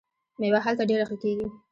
میوه هلته ډیره ښه کیږي.